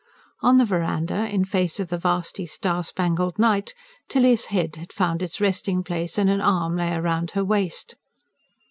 On the verandah, in face of the vasty, star spangled night, Tilly's head had found its resting place, and an arm lay round her waist.